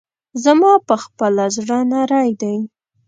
زما پخپله زړه نری دی.